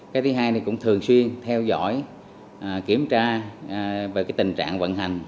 cái thứ hai thì cũng thường xuyên theo dõi kiểm tra về tình trạng vận hành